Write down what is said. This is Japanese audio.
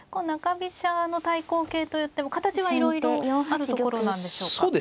中飛車の対抗形といっても形はいろいろあるところなんでしょうか。